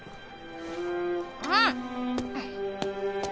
うん？